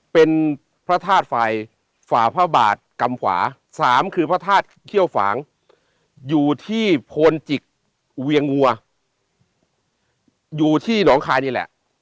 เป็นพระธาตุไฟฝ่าพระบาทกำขวาสามคือพระธาตุเขี้ยวฝางอยู่ที่โพนจิกเวียงวัวอยู่ที่หนองคายนี่แหละ